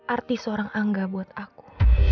arti seorang angga buat aku